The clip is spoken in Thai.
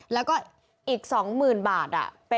แล้วก็อีก๒๐๐๐บาท